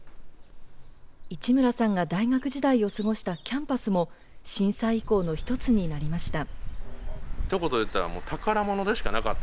市村さんが大学時代を過ごしたキャンパスも、震災遺構の一つになりました。